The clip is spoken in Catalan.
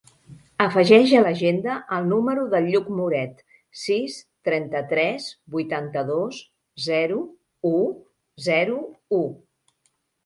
Afegeix a l'agenda el número del Lluc Moret: sis, trenta-tres, vuitanta-dos, zero, u, zero, u.